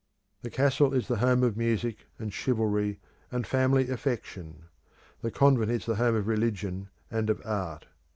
The castle is the home of music and chivalry and family affection. The convent is the home of religion and of art.